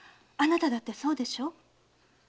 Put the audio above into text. あなただってそうでしょ？